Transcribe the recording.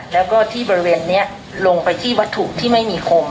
แล้วก็ที่บริเวณนี้ลงไปที่วัตถุที่ไม่มีคม